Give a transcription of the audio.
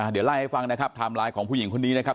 เดี๋ยวไล่ให้ฟังนะครับไทม์ไลน์ของผู้หญิงคนนี้นะครับ